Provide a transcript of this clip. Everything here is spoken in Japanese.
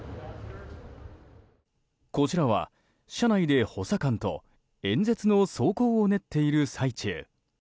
こちらは、車内で補佐官と演説の草稿を練っている最中。